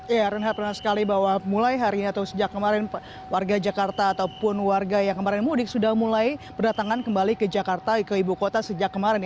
ya renhat benar sekali bahwa mulai hari ini atau sejak kemarin warga jakarta ataupun warga yang kemarin mudik sudah mulai berdatangan kembali ke jakarta ke ibu kota sejak kemarin